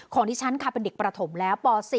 ที่ฉันค่ะเป็นเด็กประถมแล้วป๔